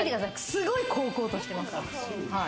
すごい煌々としてますから。